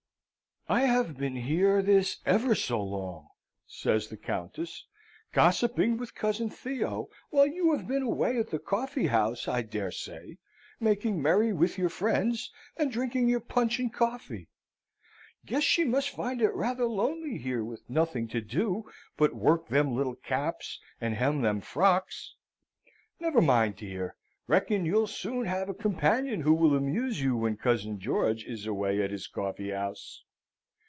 "I have been here this ever so long," says the Countess, "gossiping with cousin Theo, while you have been away at the coffee house, I dare say, making merry with your friends, and drinking your punch and coffee. Guess she must find it rather lonely here, with nothing to do but work them little caps and hem them frocks. Never mind, dear; reckon you'll soon have a companion who will amuse you when cousin George is away at his coffee house!